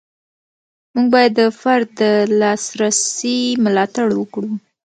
موږ باید د فرد د لاسرسي ملاتړ وکړو.